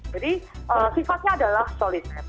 jadi sifatnya adalah politer